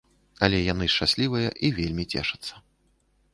Але яны шчаслівыя і вельмі цешацца.